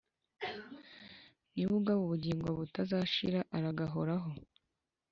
Niwe ugaba ubugingo butazashira aragahoraho